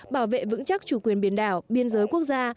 bảo vệ vững chắc chủ quyền biển đảo biên giới quốc gia